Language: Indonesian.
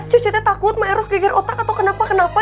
cucu teh takut maeros geger otak atau kenapa kenapa